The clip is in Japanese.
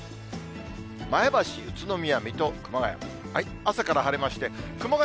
前橋、宇都宮、水戸、熊谷。